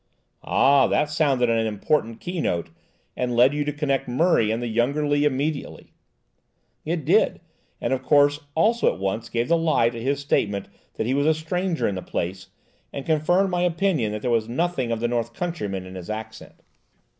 "Ah, that sounded an important keynote, and led you to connect Murray and the younger Lee immediately." "It did, and, of course, also at once gave the lie to his statement that he was a stranger in the place, and confirmed my opinion that there was nothing of the north countryman in his accent.